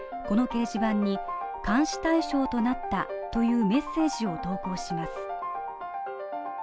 この掲示板に「監視対象となった」というメッセージを投稿します。